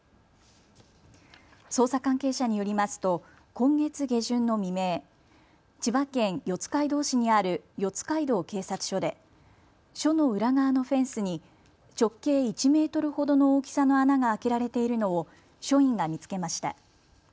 捜査関係者によりますと今月下旬の未明、千葉県四街道市にある四街道警察署で署の裏側のフェンスに直径１メートルほどの大きさの穴が開けられているのを署員が見つけました。